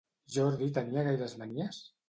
Jordi tenia gaires manies?